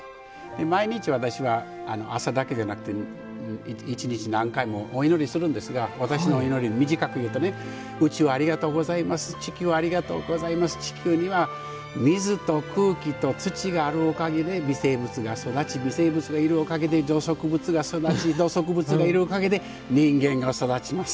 毎日、私は朝だけじゃなくて１日何回もお祈りするんですが私のお祈り、短く言うとねうちをありがとうございます地球ありがとうございます地球には水と空気と土があるおかげで微生物が育ち微生物がいるおかげで動植物が育ち動植物がいるおかげで人間が育ちます。